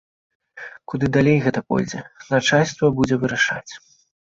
Куды далей гэта пойдзе, начальства будзе вырашаць.